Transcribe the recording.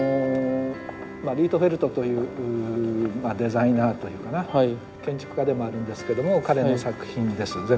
リートフェルトというデザイナーというかな建築家でもあるんですけども彼の作品です。